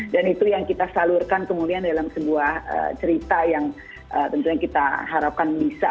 dan itu yang kita salurkan kemudian dalam sebuah cerita yang tentunya kita harapkan bisa